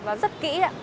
và rất kỹ